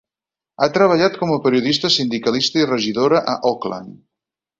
Ha treballat com a periodista, sindicalista i regidora a Auckland.